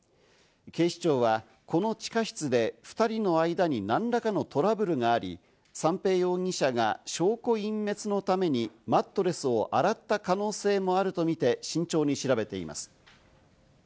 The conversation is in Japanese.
警視庁はこの地下室で２人の間に何らかのトラブルがあり、三瓶容疑者が証拠隠滅のためにマットレスを洗った可能性もあるとみて慎重に調べています。